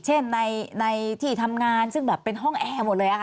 เช่นในที่ทำงานซึ่งแบบเป็นห้องแอร์หมดเลยค่ะ